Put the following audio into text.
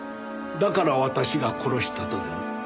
だから私が殺したとでも？